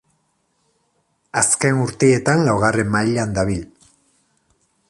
Azken urteetan laugarren mailan dabil.